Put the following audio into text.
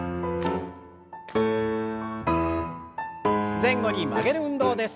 前後に曲げる運動です。